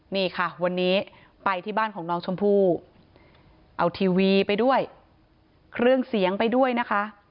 นี่ค่ะวันนี้ไปที่บ้านของน้องชมพู่เอาทีวีไปด้วยเครื่องเสียงไปด้วยนะคะ